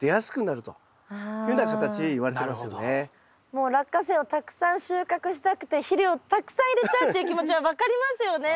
もうラッカセイをたくさん収穫したくて肥料たくさん入れちゃうっていう気持ちは分かりますよね。